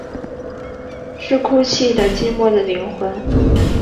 是哭泣的寂寞的灵魂